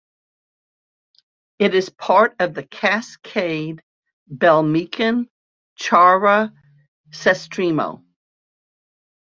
It is part of the cascade Belmeken-Chaira-Sestrimo.